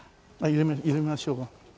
緩めましょうか？